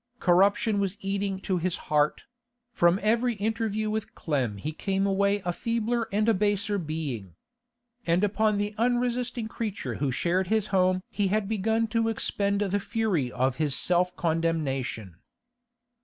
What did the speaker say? Corruption was eating to his heart; from every interview with Clem he came away a feebler and a baser being. And upon the unresisting creature who shared his home he had begun to expend the fury of his self condemnation.